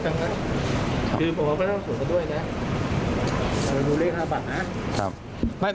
คุณฮางเป็นน้องต่อศักดิ์โทษพิธรรมนด์เนี่ย